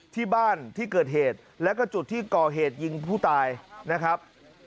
ที่บ้านที่เกิดเหตุแล้วก็จุดที่ก่อเหตุยิงผู้ตายนะครับ